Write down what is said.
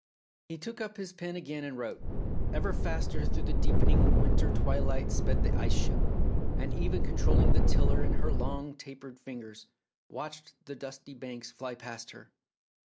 He took up his pen again and wrote, "Ever faster through the deepening winter twilight sped the ice ship, and Eva controlling the tiller in her long taper fingers, watched the dusky banks fly past her.